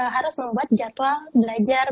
harus membuat jadwal belajar